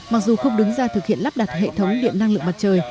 mặc dù không đứng ra thực hiện lắp đặt hệ thống điện năng lượng mặt trời